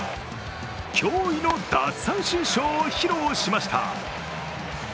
驚異の奪三振ショーを披露しました。